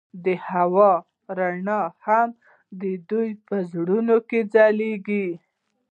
د هوا رڼا هم د دوی په زړونو کې ځلېده.